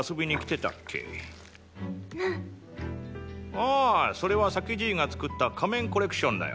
ああそれは酒爺が作った仮面コレクションだよ。